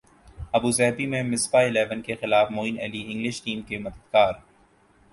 Abu Dhabi میں Misbah eleven کیخلاف Moin Ali English team کے مددگار